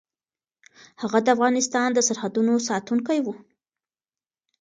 هغه د افغانستان د سرحدونو ساتونکی و.